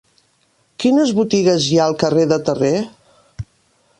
Quines botigues hi ha al carrer de Terré?